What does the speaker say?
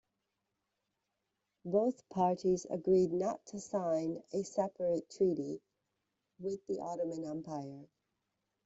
Both parties agreed not to sign a separate treaty with the Ottoman Empire.